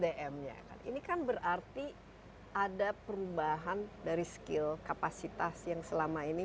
dalam upayanya ke sana tadi sdm nya ini kan berarti ada perubahan dari skill kapasitas yang selama ini